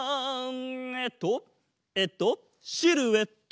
えっとえっとシルエット！